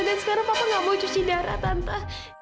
sekarang papa gak mau cuci darah tante